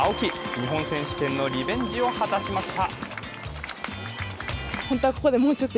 日本選手権のリベンジを果たしました。